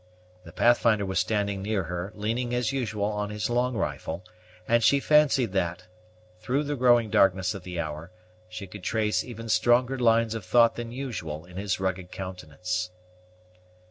The Pathfinder was standing near her, leaning, as usual, on his long rifle, and she fancied that, through the growing darkness of the hour, she could trace even stronger lines of thought than usual in his rugged countenance.